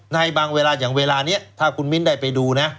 ในบางเวลาอย่างเวลานี้ถ้าคุณมิ้นได้ไปดูนะ